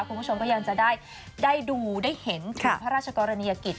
คุณผู้ชมก็ยังจะได้ดูได้เห็นถึงพระราชกรณียกิจ